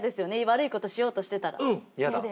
悪いことしようとしてたら。